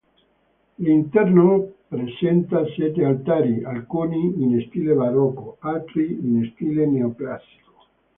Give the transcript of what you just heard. L'interno presenta sette altari: alcuni in stile barocco, altri in stile neoclassico.